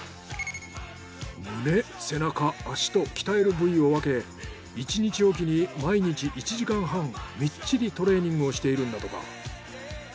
胸背中脚と鍛える部位を分け一日おきに毎日１時間半みっちりトレーニングをしているんだとか。